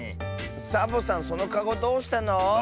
サボさんそのかごどうしたの？